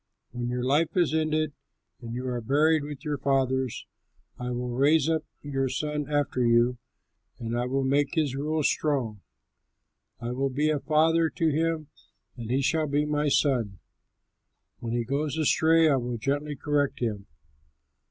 When your life is ended and you are buried with your fathers, I will raise up your son after you, and I will make his rule strong. I will be a father to him, and he shall be my son. When he goes astray I will gently correct him.